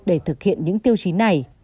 để thực hiện những tiêu chí này